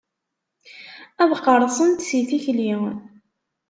Ad qqerṣent si tikli.